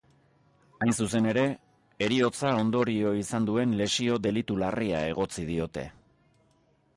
Hain zuzen ere, heriotza ondorio izan duen lesio delitu larria egotzi diote.